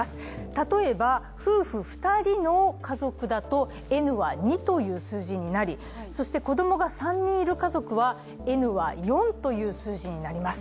例えば夫婦２人の家族だと、Ｎは２という数字になり子供が３人いる家族はＮは４という数字になります。